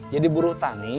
jadi buru tani